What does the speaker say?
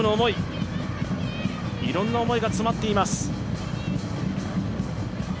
いろんな思いが詰まっています。